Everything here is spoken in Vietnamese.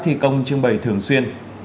thi công trưng bày thường xuyên